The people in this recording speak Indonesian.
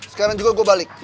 sekarang juga gue balik